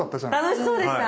楽しそうでした。